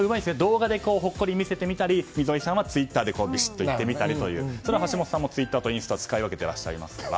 動画でほっこり見せてみたり溝井さんはツイッターでビシッと言ってみたりとそれは橋下さんもツイッターとインスタを使い分けていらっしゃいますから。